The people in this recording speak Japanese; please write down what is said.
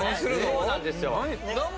そうなんですよ。